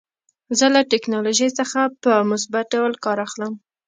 زه له ټکنالوژۍ څخه په مثبت ډول کار اخلم.